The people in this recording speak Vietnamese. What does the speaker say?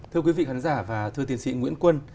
thưa quý vị khán giả và thưa tiến sĩ nguyễn quân